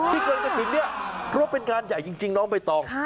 ที่เกิดไปถึงเนี่ยรวมเป็นงานใหญ่จริงน้องใบตอง